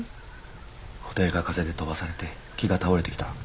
保定が風で飛ばされて木が倒れてきた。